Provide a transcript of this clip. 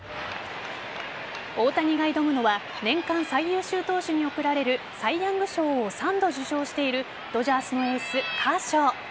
大谷が挑むのは年間最優秀投手に贈られるサイ・ヤング賞を３度受賞しているドジャースのエース・カーショー。